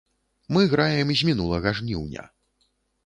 Мы граем з мінулага жніўня.